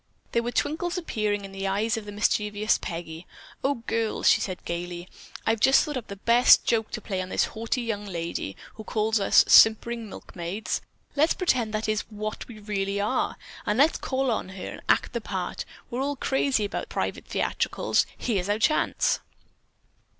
There were twinkles appearing in the eyes of the mischievous Peggy. "Oh, girls," she said gaily, "I've thought up the best joke to play on this haughty young lady who calls us simpering milkmaids. Let's pretend that is what we really are, and let's call on her and act the part. We're all crazy about private theatricals. Here's our chance."